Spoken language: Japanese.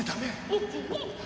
１２。